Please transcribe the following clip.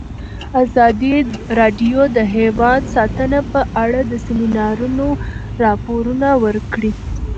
ازادي راډیو د حیوان ساتنه په اړه د سیمینارونو راپورونه ورکړي.